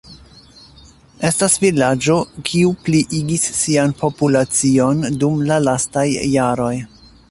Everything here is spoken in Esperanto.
Estas vilaĝo kiu pliigis sian populacion dum la lastaj jaroj.